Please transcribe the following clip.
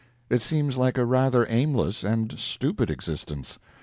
It seems like a rather aimless and stupid existence.